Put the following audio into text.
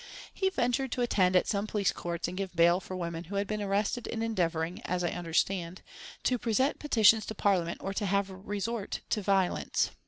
He ventured to attend at some police courts and gave bail for women who had been arrested in endeavouring, as I understand, to present petitions to Parliament or to have resort to violence.